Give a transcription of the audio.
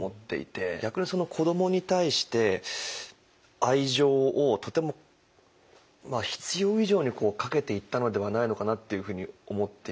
逆に子どもに対して愛情をとても必要以上にかけていったのではないのかなっていうふうに思って見てました。